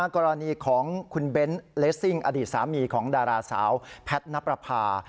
กรณีของคุณเบ้นเลสซิ่งอดีตสามีของดาราสาวแพทย์นับประพา